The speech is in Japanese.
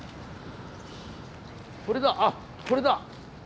これだあこれだ！